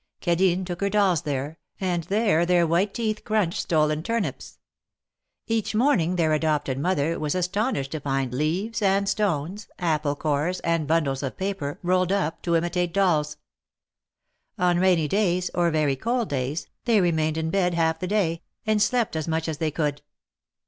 Cadine took her dolls there, and there their white teeth crunched stolen turnips. Each morning their adopted mother was astonished to find leaves and stones, apple cores, and bundles of paper, rolled up to imitate dolls. On rainy days, or very cold days, they remained in bed half the day, and slept as much as they could.